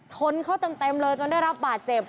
ชนเขาเต็มเลยจนได้รับบาดเจ็บ